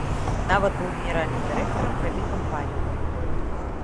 Нават быў генеральным дырэктарам гэтай кампаніі.